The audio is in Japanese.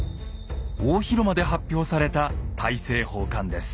大広間で発表された大政奉還です。